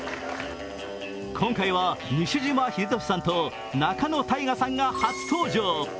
今回は西島秀俊さんと仲野太賀さんが初登場。